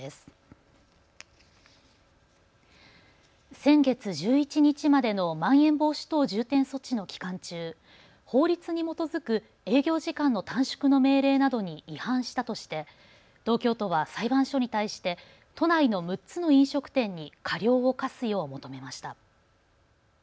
先月１１日までのまん延防止等重点措置の期間中、法律に基づく営業時間の短縮の命令などに違反したとして東京都は裁判所に対して都内の６つの飲食店に過料を科すよう求めました。